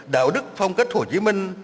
đạo đức phong cách hồ chí minh